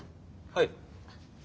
はい。